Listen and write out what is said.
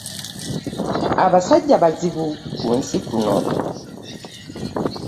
Abasajja bazibu ku nsi kuno!